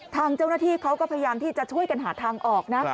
ทางเจ้าหน้าที่เขาก็พยายามที่จะช่วยกันหาทางออกนะ